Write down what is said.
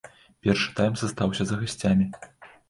Першы тайм застаўся за гасцямі.